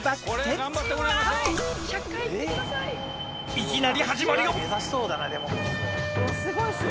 いきなり始まるよ！